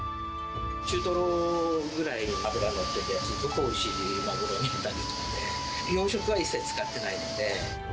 中トロぐらい脂乗ってて、すごくおいしいマグロなので、養殖は一切使ってないので。